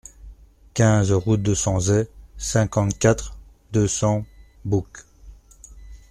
quinze route de Sanzey, cinquante-quatre, deux cents, Boucq